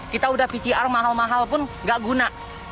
kita udah pcr mahal mahal pun nggak guna